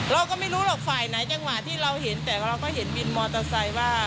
เราก็ไม่รู้หรอกฝ่ายไหนจังหวะที่เราเห็นแต่เราก็เห็นวินมอเตอร์ไซค์ว่า